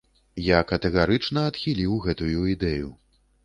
Я катэгарычна адхіліў гэтую ідэю.